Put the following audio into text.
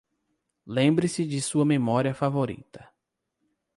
Lembre-se de sua memória favorita.